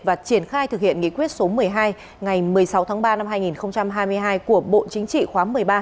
và triển khai thực hiện nghị quyết số một mươi hai ngày một mươi sáu tháng ba năm hai nghìn hai mươi hai của bộ chính trị khóa một mươi ba